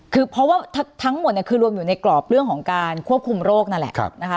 คือเพราะว่าทั้งหมดเนี่ยคือรวมอยู่ในกรอบเรื่องของการควบคุมโรคนั่นแหละนะคะ